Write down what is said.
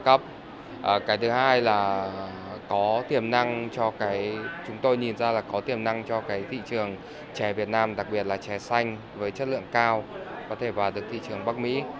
cái thứ hai là chúng tôi nhìn ra là có tiềm năng cho cái thị trường trẻ việt nam đặc biệt là trẻ xanh với chất lượng cao có thể vào được thị trường bắc mỹ